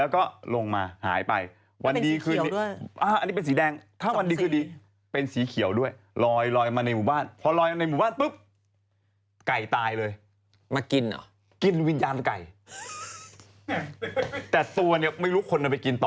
คนใช่มะคนอะไรไปกินต่อ